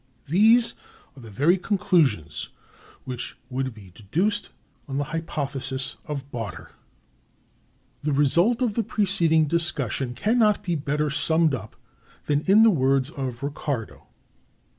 These are the very conclusions which [would be] deduced on the hypothesis of barter.(278) The result of the preceding discussion can not be better summed up than in the words of Ricardo.